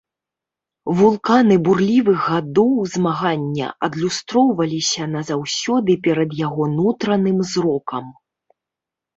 Вулканы бурлівых гадоў змагання адлюстроўваліся назаўсёды перад яго нутраным зрокам.